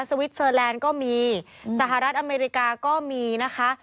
วิสเซอร์แลนด์ก็มีสหรัฐอเมริกาก็มีนะคะ